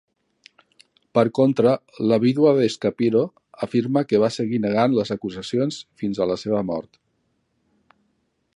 Per contra, la vídua de Schapiro afirma que va seguir negant les acusacions fins a la seva mort.